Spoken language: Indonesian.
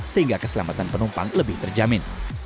sehingga keselamatan penumpang lebih terjamin